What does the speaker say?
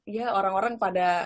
iya orang orang pada